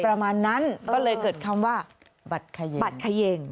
ประมาณนั้นก็เลยเกิดคำว่าบัตรเขย่ง